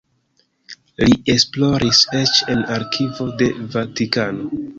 Li esploris eĉ en arkivo de Vatikano.